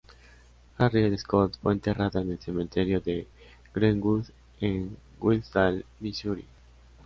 Harriet Scott fue enterrada en el cementerio de Greenwood en Hillsdale, Missouri.